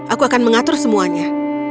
aku akan mengatur semuanya